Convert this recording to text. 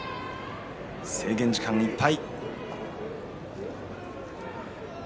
制限時間いっぱい。